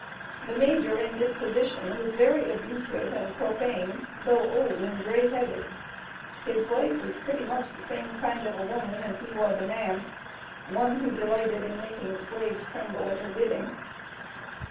The Major in disposition was very abusive and profane, though old and grey headed. His wife was pretty much the same kind of a woman as he was a man; one who delighted in making the slaves tremble at her bidding.